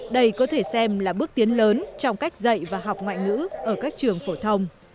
đây có thể xem là bước tiến lớn trong cách dạy và học ngoại ngữ ở các trường phổ thông